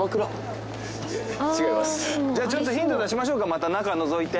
じゃちょっとヒント出しましょうかまた中のぞいて。